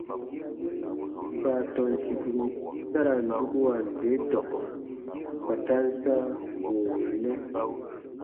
Baatɔn sìkuru ta ra n dukuwa nde dɔkɔ kpa ta n sãa goonu nɛ.